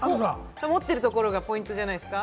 持っているところがポイントじゃないですか？